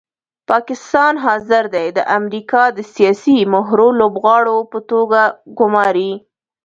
پاکستان حاضر دی د امریکا د سیاسي مهرو لوبغاړو په توګه ګوماري.